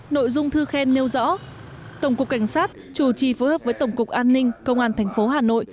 nội dung thư khen nêu rõ tổng cục cảnh sát chủ trì phối hợp với tổng cục an ninh công an tp hà nội